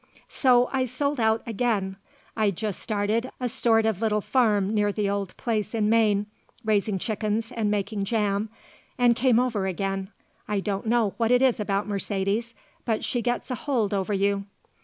So I sold out again I'd just started a sort of little farm near the old place in Maine, raising chickens and making jam and came over again. I don't know what it is about Mercedes, but she gets a hold over you.